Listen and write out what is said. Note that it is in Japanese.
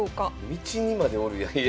道にまでおるやん。